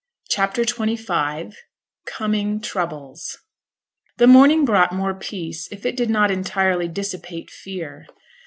CHAPTER XXV COMING TROUBLES The morning brought more peace if it did not entirely dissipate fear.